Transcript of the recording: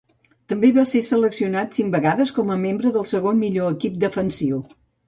També va ser seleccionat cinc vegades com a membre del segon millor equip defensiu.